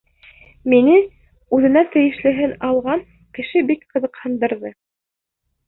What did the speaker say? Мине «үҙенә тейешлеһен алған» кеше бик ҡыҙыҡһындырҙы.